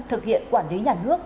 thực hiện quản lý nhà nước